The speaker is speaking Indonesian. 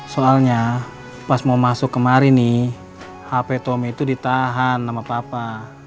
soalnya pas mau masuk kemari nih hp tommy itu ditahan sama papa